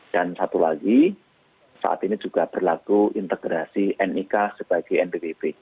dan satu lagi saat ini juga berlaku integrasi nik sebagai nppb